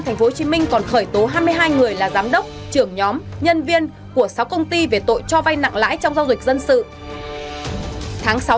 tp hcm còn khởi tố hai mươi hai người là giám đốc trưởng nhóm nhân viên của sáu công ty về tội cho vay nặng lãi trong giao dịch dân sự